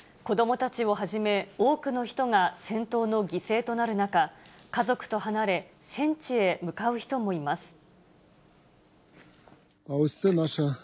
子どもたちをはじめ、多くの人が戦闘の犠牲となる中、家族と離れ、戦地へ向かう人もいます。